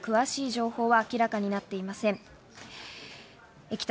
飛距離など詳しい情報は明らかになっていません。